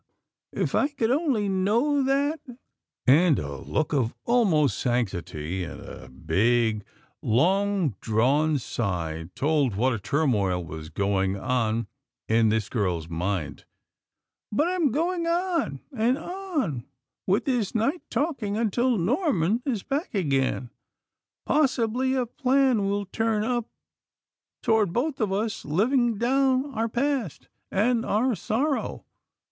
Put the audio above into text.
If I could only know that!" and a look of almost sanctity, and a big, long drawn sigh told what a turmoil was going on in this young girl's mind. "But I'm going on, and on and on with this night talking until Norman is back again. Possibly a plan will turn up toward both of us living down our past, and our sorrow."